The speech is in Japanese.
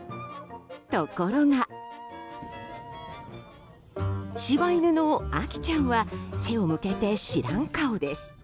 ところが、柴犬のアキちゃんは背を向けて知らん顔です。